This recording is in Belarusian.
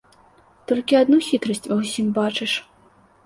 Толькі адну хітрасць ва ўсім бачыш.